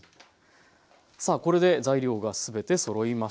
さあこれで材料が全てそろいました。